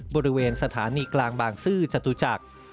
บริเวณสถานีกลางบางซื่อจตุจักร